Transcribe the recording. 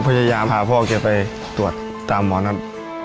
พยายามพาพ่อแกไปตรวจตามหมอนัท